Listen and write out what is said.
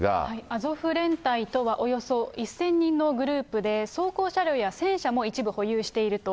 アゾフ連隊とはおよそ１０００人のグループで、装甲車両や戦車も一部保有していると。